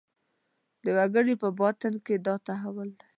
د وګړي په باطن کې دا تحول دی.